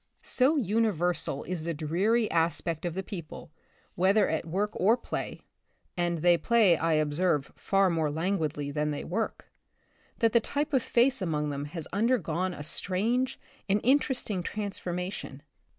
So universal is the dreary aspect of the peo ple, whether at work or play — and they play, I observe, far more languidly than they work that the type of face among them has under gone a strange and interesting transformation.